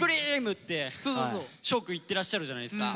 って翔くん言ってらっしゃるじゃないですか。